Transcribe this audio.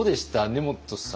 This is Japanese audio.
根本さん。